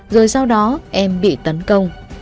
rồi sau đó em bị tấn công